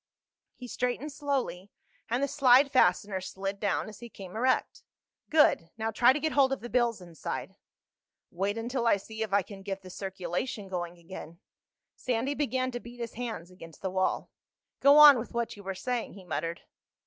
He straightened slowly, and the slide fastener slid down as he came erect. "Good. Now try to get hold of the bills inside." "Wait until I see if I can get the circulation going again." Sandy began to beat his hands against the wall. "Go on with what you were saying," he muttered.